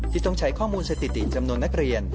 ต้องใช้ข้อมูลสถิติจำนวนนักเรียน